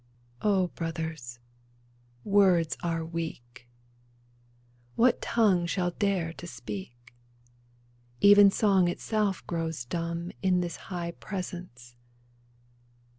O brothers, words are weak ! What tongue shall dare to speak ? Even song itself grows dumb In this high presence.